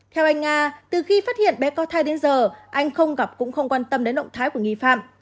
theo anh nga từ khi phát hiện bé có thai đến giờ anh không gặp cũng không quan tâm đến động thái của nghi phạm